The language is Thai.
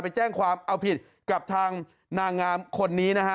ไปแจ้งความเอาผิดกับทางนางงามคนนี้นะฮะ